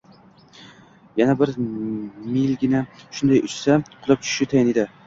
— yana bir milgina shunday uchsa, qulab tushishi tayin edi.